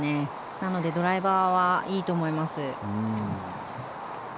なので、ドライバーはいいと思います。